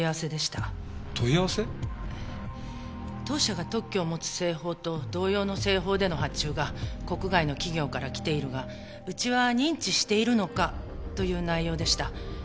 当社が特許を持つ製法と同様の製法での発注が国外の企業から来ているがうちは認知しているのか？という内容でした。